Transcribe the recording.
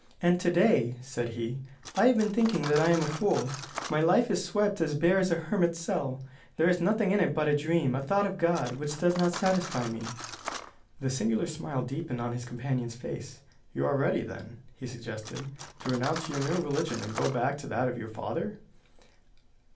"And to day," said he, "I have been thinking that I am a fool. My life is swept as bare as a hermit's cell. There is nothing in it but a dream, a thought of God, which does not satisfy me." The singular smile deepened on his companion's face. "You are ready, then," he suggested, "to renounce your new religion and go back to that of your father?"